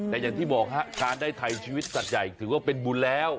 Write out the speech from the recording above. แต่อย่างที่บอกฮะการได้ไทยชีวิตสัตว์ใหญ่ถือว่าเป็นบุญแล้ว